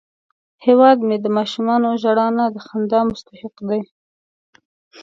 هیواد مې د ماشومانو ژړا نه، د خندا مستحق دی